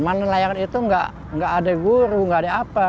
main layangan itu nggak ada guru nggak ada apa